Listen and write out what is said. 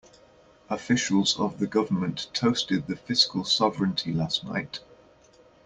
Officials of the government toasted the fiscal sovereignty last night.